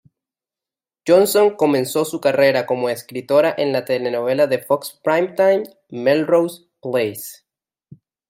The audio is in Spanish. Johnson comenzó su carrera como escritora en la telenovela de Fox primetime "Melrose Place".